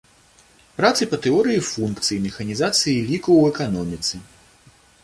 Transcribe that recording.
Працы па тэорыі функцый, механізацыі ліку ў эканоміцы.